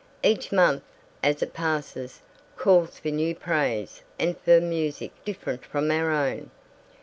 Each month, as it passes, calls for new praise and for music different from our own.